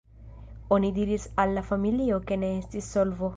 Oni diris al la familio ke ne estis solvo”.